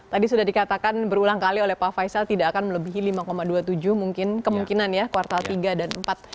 tadi sudah dikatakan berulang kali oleh pak faisal tidak akan melebihi lima dua puluh tujuh mungkin kemungkinan ya kuartal tiga dan empat